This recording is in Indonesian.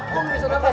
kok bisa ada kipas